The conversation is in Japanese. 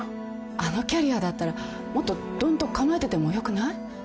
あのキャリアだったらもっとどんと構えててもよくない？